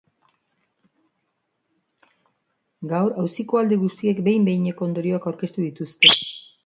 Gaur auziko alde guztiek behin-behineko ondorioak aurkeztu dituzte.